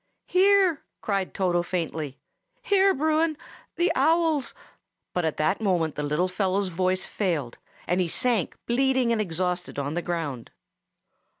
"Here!" cried Toto faintly. "Here, Bruin! The owls—" But at that moment the little fellow's voice failed, and he sank bleeding and exhausted on the ground.